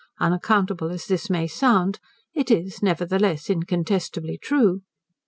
Unaccountable as this may sound, it is, nevertheless, incontestably true.